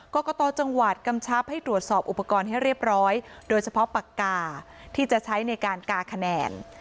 กรกตจังหวัดกำชับให้ตรวจสอบอุปกรณ์ให้เรียบร้อยโดยเฉพาะปากกาที่จะใช้ในการกาคะแนน